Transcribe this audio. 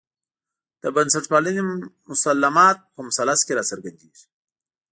د بنسټپالنې مسلمات په مثلث کې راڅرګندېږي.